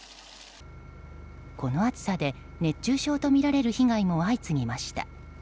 この暑さで熱中症とみられる被害も相次ぎました。